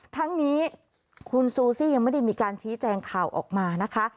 ทั้งนี้คุณซูซี่ยังไม่ได้มีการชี้แจงข่าวออกมานะคะ